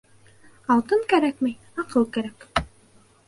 Алтын кәрәкмәй, аҡыл кәрәк